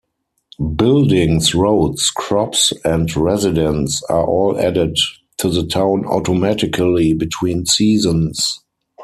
Buildings, roads, crops, and residents are all added to the town automatically between seasons.